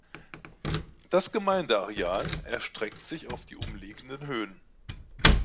Das Gemeindeareal erstreckt sich auf die umliegenden Höhen.